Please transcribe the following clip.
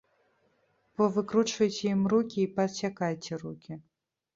Павыкручвайце ім рукі і паадсякайце рукі.